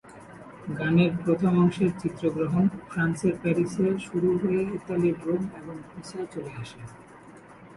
গানের প্রথম অংশের চিত্রগ্রহণ ফ্রান্সের প্যারিসে শুরু হয়ে ইতালির রোম এবং পিসায় চলে আসে।